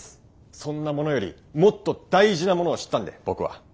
そんなものよりもっと大事なものを知ったんで僕は。